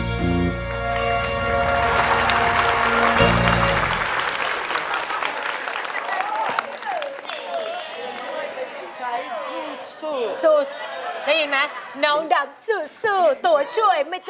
โปรดติดตามตอนต่อมา